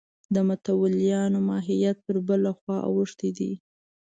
د متولیانو ماهیت پر بله خوا اوښتی دی.